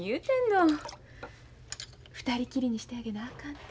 ２人きりにしてあげなあかんて。